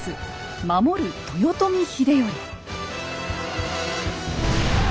守る豊臣秀頼。